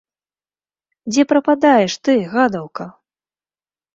Дзе прападаеш ты, гадаўка?